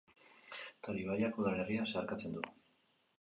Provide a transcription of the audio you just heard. Tar ibaiak udalerria zeharkatzen du.